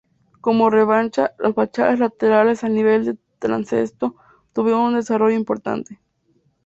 Como revancha, las fachadas laterales al nivel del transepto tuvieron un desarrollo importante.